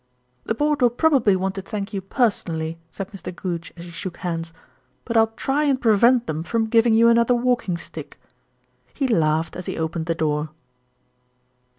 "The Board will probably want to thank you personally," said Mr. Goodge as he shook hands; "but I'll try and prevent them from giving you another walking stick," he laughed as he opened the door.